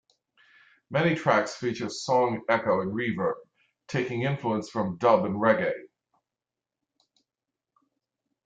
Many tracks feature strong echo and reverb, taking influence from dub and reggae.